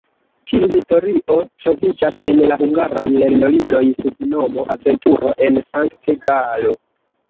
Tiu historio troviĝas en la hungaraj lernolibroj sub nomo "Aventuro en Sankt-Galo".